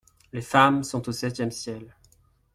Les femmes sont au septième ciel.